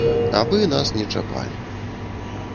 Абы нас не чапалі.